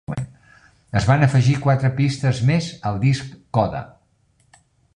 Es van afegir quatre pistes més al disc "Coda".